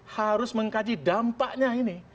harus mengkaji dampaknya ini